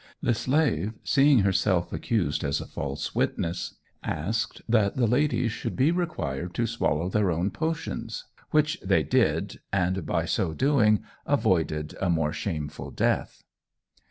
The slave, seeing herself accused as a false witness, asked that the ladies should be required to swallow their own potions; which they did, and by so doing avoided a more shameful death."